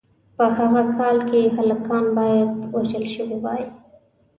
په هغه کال کې هلکان باید وژل شوي وای.